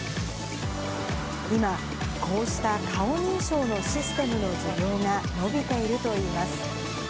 今、こうした顔認証のシステムの需要が伸びているといいます。